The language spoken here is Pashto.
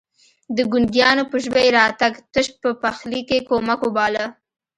د ګونګيانو په ژبه يې راتګ تش په پخلي کې کمک وباله.